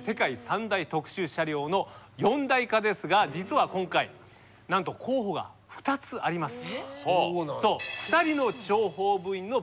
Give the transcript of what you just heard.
世界三大特殊車両の四大化ですが実は今回なんと候補が２つあります。